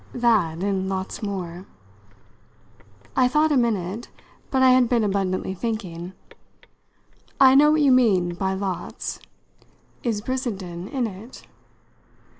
"That and lots more." I thought a minute but I had been abundantly thinking. "I know what you mean by 'lots.' Is Brissenden in it?"